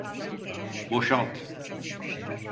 Boşalt!